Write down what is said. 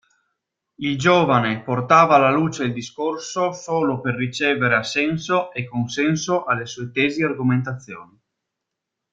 Il giovane portava alla luce il discorso solo per ricevere assenso e consenso alle sue tesi e argomentazioni.